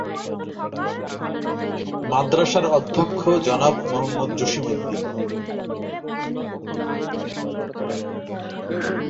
মাদ্রাসার অধ্যক্ষ জনাব মোহাম্মদ জসিম উদ্দীন।